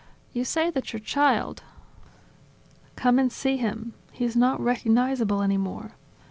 .. You say that your child ..." "Come and see him; he not recognizable anymore.